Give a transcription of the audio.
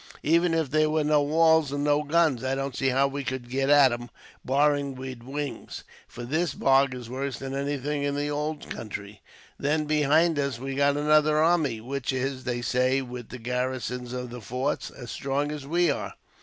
Even if there were no walls, and no guns, I don't see how we could get at 'em, barring we'd wings, for this bog is worse than anything in the ould country. Then behind us we've got another army, which is, they say, with the garrisons of the forts, as strong as we are.